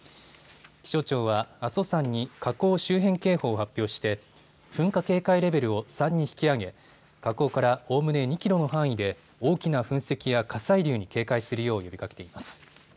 気象庁は阿蘇山に火口周辺警報を発表して噴火警戒レベルを３に引き上げ火口からおおむね２キロの範囲で大きな噴石や火砕流に警戒するよう呼びかけています。